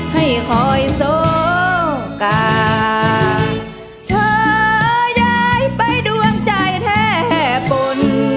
ให้คอยโซกาเธอย้ายไปดวงใจแท้ปน